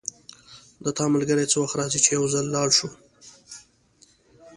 د تا ملګری څه وخت راځي چی یو ځای لاړ شو